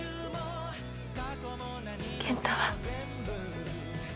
健太は？